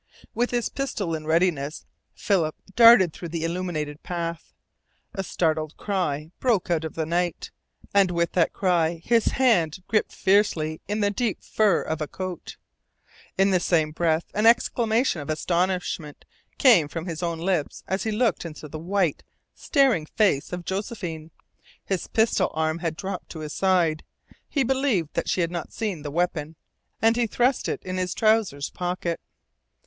With his pistol in readiness, Philip darted through the illuminated path. A startled cry broke out of the night, and with that cry his hand gripped fiercely in the deep fur of a coat. In the same breath an exclamation of astonishment came from his own lips as he looked into the white, staring face of Josephine. His pistol arm had dropped to his side. He believed that she had not seen the weapon, and he thrust it in his trousers pocket.